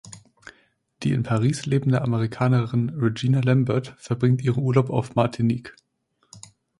Die in Paris lebende Amerikanerin Regina Lambert verbringt ihren Urlaub auf Martinique.